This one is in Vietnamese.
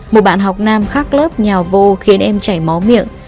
một bạn học nam khác lớp nhà vô khiến em chảy máu miệng